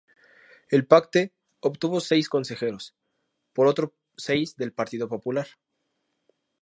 El Pacte obtuvo seis consejeros, por otros seis del Partido Popular.